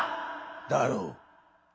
だろう。